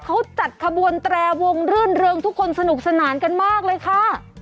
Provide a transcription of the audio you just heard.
เขาจัดขบวนแตรวงรื่นเริงทุกคนสนุกสนานกันมากเลยค่ะ